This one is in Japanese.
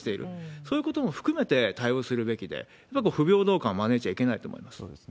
そういうことも含めて対応するべきで、やっぱり不平等感を招いちゃいけないと思います。